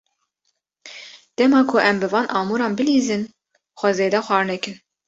Dema ku em bi van amûran bilîzin, xwe zêde xwar nekin.